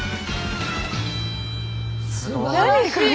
すごい。